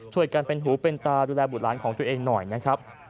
ช่วยกันเป็นหูเป็นตาดูแลบุตรหลานของตัวเองหน่อยนะครับ